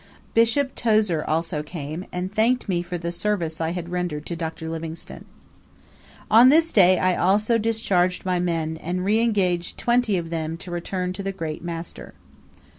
Bishop Tozer also came, and thanked me for tie service I had rendered to Dr. Livingstone. On this day I also discharged my men, and re engaged twenty of them to return to the "Great Master."